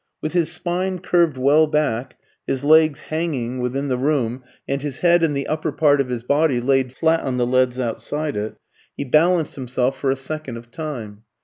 With his spine curved well back, his legs hanging within the room, and his head and the upper part of his body laid flat on the leads outside it, he balanced himself for a second of time.